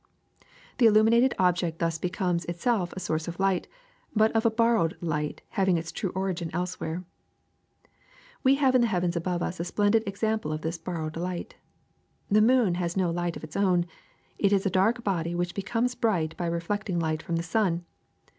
The illuminated object thus becomes itself a source of light, but of a borrowed light having its true origin elsewhere. We have in the heavens above us a splendid ex ample of this borrowed light. The moon has no light of its own. It is a dark body which becomes bright by reflecting the light from the sun.